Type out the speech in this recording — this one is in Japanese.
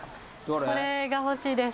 これが欲しいです。